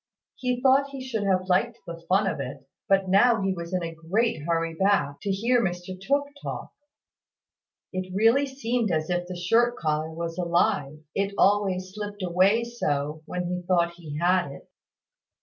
He thought he should have liked the fun of it; but now he was in a great hurry back, to hear Mr Tooke talk. It really seemed as if the shirt collar was alive, it always slipped away so when he thought he had it.